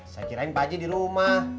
saya kirain pak ji di rumah